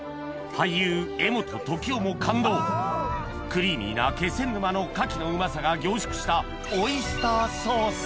俳優柄本時生も感動クリーミーな気仙沼の牡蠣のうまさが凝縮したオイスターソース